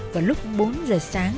vào lúc bốn giờ sáng